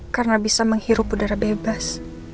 karena bisa menghirup udara bebas